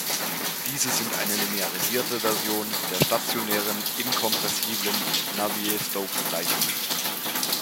Diese sind eine linearisierte Version der stationären inkompressiblen Navier-Stokes-Gleichungen.